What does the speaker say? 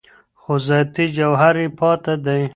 خو ذاتي جوهر یې پاته دی